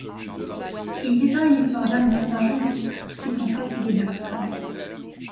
Il dépeint une histoire d'amour d'un jeune couple, qui sont fatigués de leur travail..